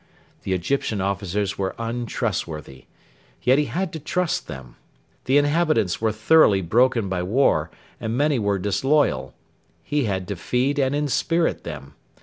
The Egyptian officers were untrustworthy. Yet he had to trust them. The inhabitants were thoroughly broken by war, and many were disloyal. He had to feed and inspirit them.